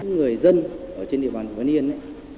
người dân ở trên địa bàn huấn yên